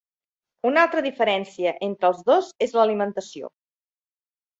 Una altra diferència entre els dos és l'alimentació.